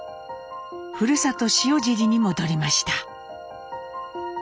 ふるさと塩尻に戻りました。